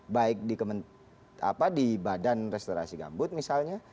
baik di badan restorasi gambut misalnya